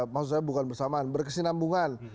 maksud saya bukan bersamaan berkesinambungan